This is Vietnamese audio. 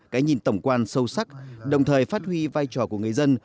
cái nhìn tổng quan sâu sắc đồng thời phát huy vai trò của người dân